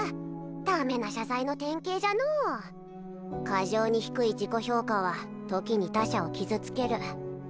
ダメな謝罪の典型じゃのう過剰に低い自己評価はときに他者を傷つける